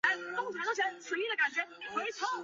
到时候要怎么出站就不知道